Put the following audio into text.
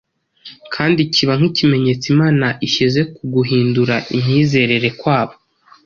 kandi kiba nk’ikimenyetso Imana ishyize ku guhindura imyizerere kwabo.